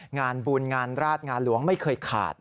งานบุญงานราชงานหลวงไม่เคยขาด